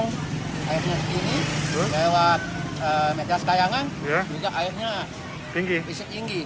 lewat medras kayangan tinggi tinggi